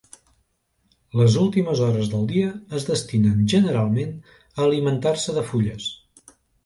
Les últimes hores del dia es destinen generalment a alimentar-se de fulles.